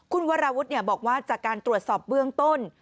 คุณวราวุฒิบอกว่าจากการตรวจสอบเบื้องต้น